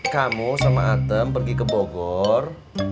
kamu sama atem pergi ke bogor